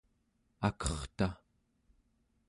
akerta